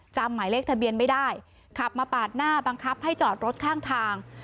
หมายเลขทะเบียนไม่ได้ขับมาปาดหน้าบังคับให้จอดรถข้างทาง